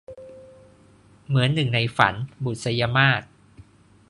เหมือนหนึ่งในฝัน - บุษยมาส